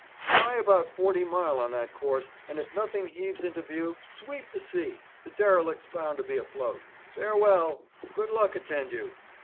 Try about forty mile on that course, and if nothing heaves into view, sweep the sea. The derelict's bound to be afloat. Farewell! Good luck attend you!'